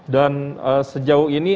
dan sejauh ini